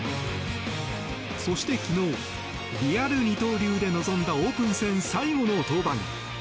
そして、昨日リアル二刀流で臨んだオープン戦最後の登板。